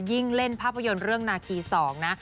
เล่นภาพยนตร์เรื่องนาคี๒นะ